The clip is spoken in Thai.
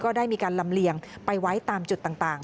ได้มีการลำเลียงไปไว้ตามจุดต่าง